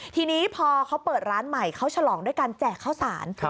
ทีนี้พอเขาเปิดร้านใหม่เขาฉลองด้วยการแจกข้าวสาร